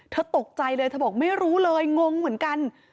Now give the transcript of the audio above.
ตกใจเลยเธอบอกไม่รู้เลยงงเหมือนกัน